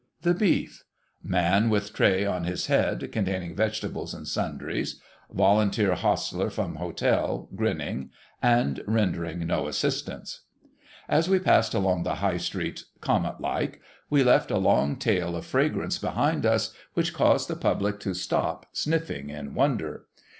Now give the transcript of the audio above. THE BEEF. Man with Tray on his head, containing Vegetables and Sundries. Volunteer Hostler from Hotel, grinning. And rendering no assistance. THE SUPPER 69 As we passed along the High street, comet Hke, we left a long tail of fragrance behind us which caused the public to stop, sniffing in wonder.